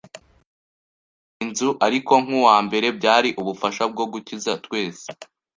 kurinda inzu; ariko nkuwambere, byari ubufasha bwo gukiza twese.